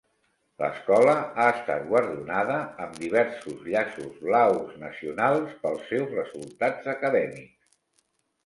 L'escola ha estat guardonada amb diversos llaços blaus nacionals pels seus resultats acadèmics.